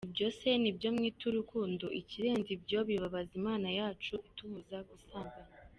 Ibyo se nibyo mwita urukundo? Ikirenze ibyo, bibabaza imana yacu itubuza gusambana.